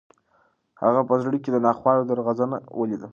هغه په زړه کې د ناخوالو درغځنه ولیده.